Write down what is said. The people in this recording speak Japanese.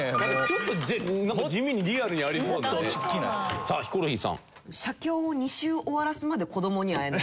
さあヒコロヒーさん。